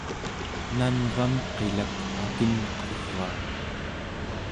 nanvam qilak akinqeraa